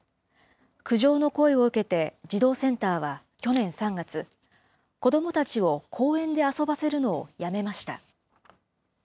苦情の声を受けて児童センターは去年３月、子どもたちを公園で遊ばせるのをやめました。